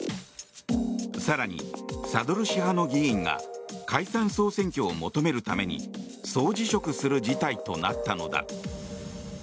更に、サドル師派の議員が解散・総選挙を求めるために総辞職する事態となったのだ。